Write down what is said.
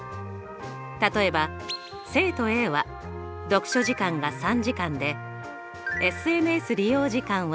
例えば生徒ａは読書時間が３時間でＳＮＳ利用時間は１時間。